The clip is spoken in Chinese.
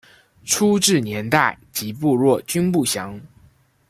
初置年代及部落均不详。